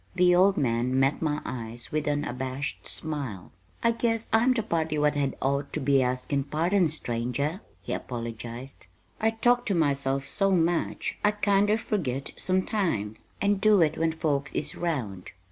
The old man met my eyes with an abashed smile. "I guess I'm the party what had ought to be askin' pardon, stranger," he apologized. "I talk to myself so much I kinder furgit sometimes, and do it when folks is round.